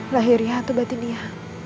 lahir ya atau batinia